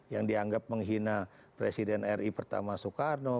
yang dianggap menghina presiden ri pertama soekarno